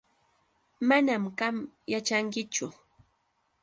Manam qam yaćhankichu.